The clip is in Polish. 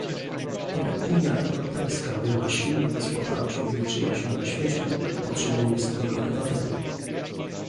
Aby Unia Europejska była silna gospodarczo i liczyła się na świecie, potrzebuje swoich obywateli